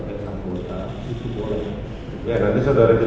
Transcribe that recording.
di keterangan saudara sendiri